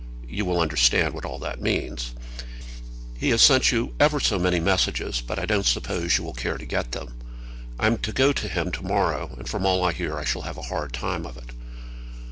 You will understand what all that means. He has sent you ever so many messages, but I don't suppose you will care to get them. I am to go to him to morrow, and from all I hear I shall have a hard time of it.